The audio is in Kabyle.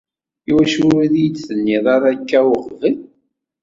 Iwacu ur yi-d-tenniḍ ara akka uqbel?